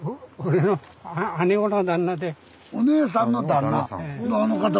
お姉さんの旦那。